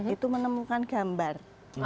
itu menemukan gambar